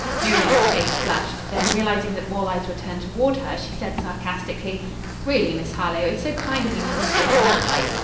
Miriam's face flushed; then realizing that all eyes were turned toward her, she said sarcastically: "Really, Miss Harlowe, it's so kind of you to look at it in that light.